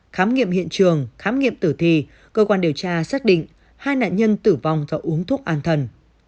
khám nghiệm hiện trường khám nghiệm tử thi cơ quan điều tra xác định hai nạn nhân tử vong do uống thuốc an thần